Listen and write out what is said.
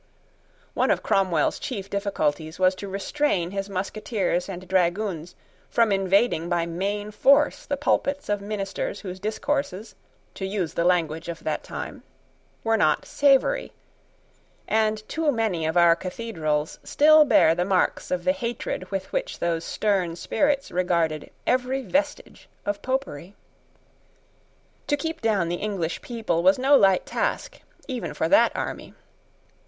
One of Cromwell's chief difficulties was to restrain his musketeers and dragoons from invading by main force the pulpits of ministers whose discourses, to use the language of that time, were not savoury; and too many of our cathedrals still bear the marks of the hatred with which those stern spirits regarded every vestige of Popery. To keep down the English people was no light task even for that army.